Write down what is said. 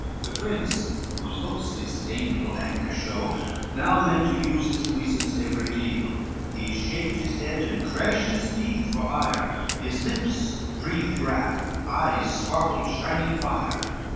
The prince, whose looks disdainful anger show, Now meant to use his puissance every deal, He shaked his head and crashed his teeth for ire, His lips breathed wrath, eyes sparkled shining fire.